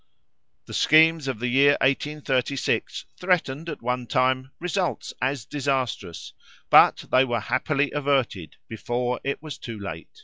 The schemes of the year 1836 threatened, at one time, results as disastrous; but they were happily averted before it was too late.